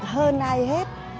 hơn ai hết